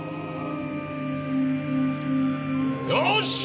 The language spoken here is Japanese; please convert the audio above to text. よし！